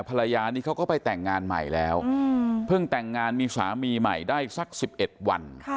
ภรรยานี้เขาก็ไปแต่งงานใหม่แล้วเพิ่งแต่งงานมีสามีใหม่ได้สัก๑๑วัน